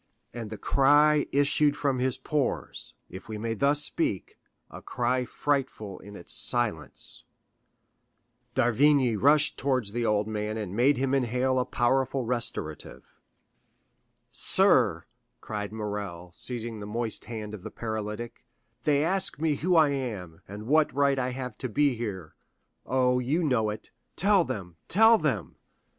And the cry issued from his pores, if we may thus speak—a cry frightful in its silence. D'Avrigny rushed towards the old man and made him inhale a powerful restorative. "Sir," cried Morrel, seizing the moist hand of the paralytic, "they ask me who I am, and what right I have to be here. Oh, you know it, tell them, tell them!"